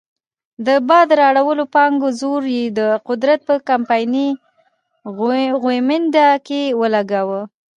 د باد راوړو پانګو زور یې د قدرت په کمپایني غویمنډ کې ولګاوه.